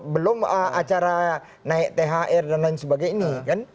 belum acara naik thr dan lain sebagainya